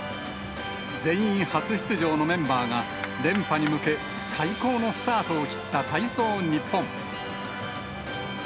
全員初出場のメンバーが連覇に向け、最高のスタートを切った体操ニッポン。